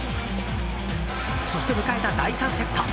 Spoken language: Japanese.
そして迎えた第３セット。